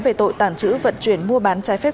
về tội tàng trữ vận chuyển mua bán trái phép